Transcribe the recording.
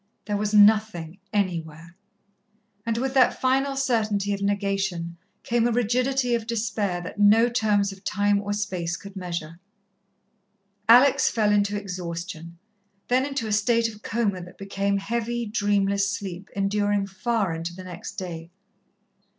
There was nothing anywhere. And with that final certainty of negation came a rigidity of despair that no terms of time or space could measure. Alex fell into exhaustion, then into a state of coma that became heavy, dreamless sleep enduring far into the next day.